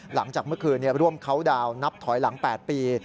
หลังจากเมื่อคืนร่วมเขาดาวน์นับถอยหลัง๘ปี